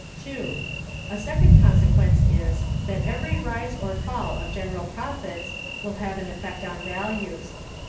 (2.) A second consequence is, that every rise or fall of general profits will have an effect on values.